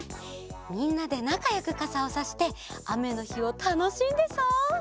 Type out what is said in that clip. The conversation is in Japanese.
みんなでなかよくかさをさしてあめのひをたのしんでそう！